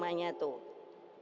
kupingnya dengerin nih sama juga